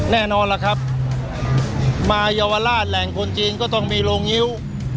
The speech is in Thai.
แน่นอนล่ะครับมาเยาวราชแหล่งคนจีนก็ต้องมีโรงงิ้ว